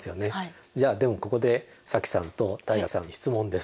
じゃあここで早紀さんと汰雅さんに質問です。